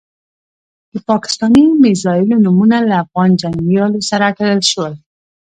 د پاکستاني میزایلو نومونه له افغان جنګیالیو سره تړل شول.